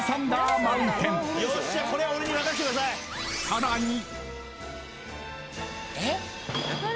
［さらに］